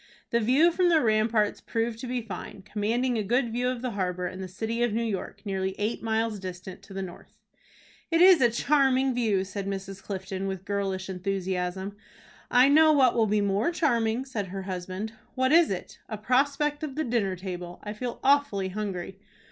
The view from the ramparts proved to be fine, commanding a good view of the harbor and the city of New York, nearly eight miles distant to the north. "It is a charming view," said Mrs. Clifton, with girlish enthusiasm. "I know what will be more charming," said her husband. "What is it?" "A prospect of the dinner table. I feel awfully hungry."